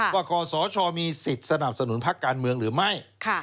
คศมีสิทธิ์สนับสนุนพักการเมืองหรือไม่